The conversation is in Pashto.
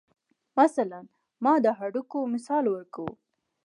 مثلاً ما د هډوکو مثال ورکو.